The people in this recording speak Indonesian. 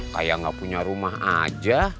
kayak gak punya rumah aja